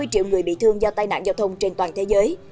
năm mươi triệu người bị thương do tai nạn giao thông trên toàn thế giới